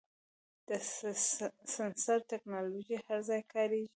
د سنسر ټکنالوژي هر ځای کارېږي.